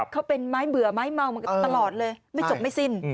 เค้าเป็นไม้เบื่อไม้เมา